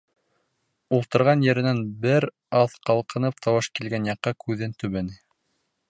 Ултырған еренән бер аҙ ҡалҡынып тауыш килгән яҡҡа күҙен төбәне.